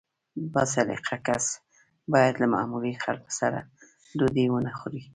با سلیقه کس باید له معمولي خلکو سره ډوډۍ ونه خوري.